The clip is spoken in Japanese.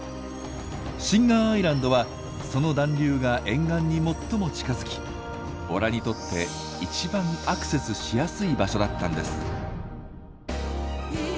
シンガーアイランドはその暖流が沿岸に最も近づきボラにとって一番アクセスしやすい場所だったんです。